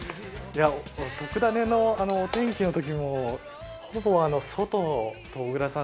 『とくダネ！』のお天気の時もほぼ外と小倉さん